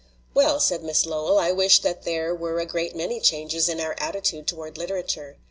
"Well," said Miss Lowell, "I wish that there were a great many changes in our attitude toward literature.